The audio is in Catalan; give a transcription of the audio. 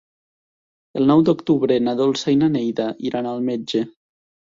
El nou d'octubre na Dolça i na Neida iran al metge.